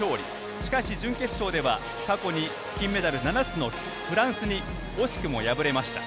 しかし準決勝では過去に金メダル７つのフランスに惜しくも敗れました。